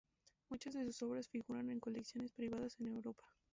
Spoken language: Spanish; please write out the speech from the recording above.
Muchas de sus obras figuran en colecciones privadas en Europa.